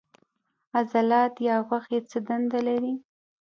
عضلات یا غوښې څه دنده لري